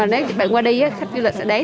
nếu bạn qua đi khách du lịch sẽ đến